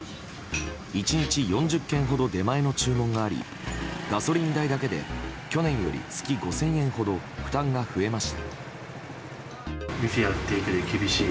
１日４０件ほど出前の注文がありガソリン代だけで去年より月５０００円ほど負担が増えました。